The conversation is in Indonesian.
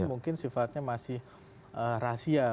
mungkin sifatnya masih rahasia